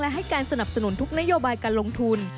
และให้การสนับสนุนทุกนโยบายการลงทุน